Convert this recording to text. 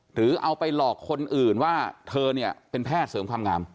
หรือเอาไปหลอกคนอื่นว่าเธอเนี่ยเป็นแพทย์เสริมความงาม